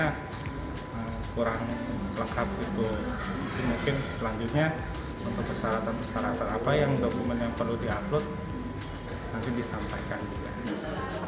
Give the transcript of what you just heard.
untuk persyaratan persyaratan apa yang dokumen yang perlu di upload